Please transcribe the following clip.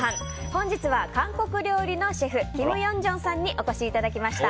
本日は韓国料理のシェフキム・ヨンジョンさんにお越しいただきました。